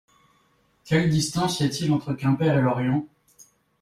Quelle distance y a-t-il entre Quimper et Lorient ?